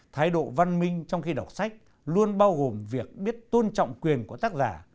thái độ văn minh trong khi đọc sách luôn bao gồm việc biết tôn trọng quyền của tác giả